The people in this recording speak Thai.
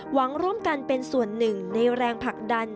หวังร่วมกันเป็นส่วนหนึ่งในแรงผลักดัน